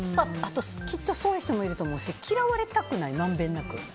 きっとそういう人もいると思うし嫌われたくない、まんべんなく。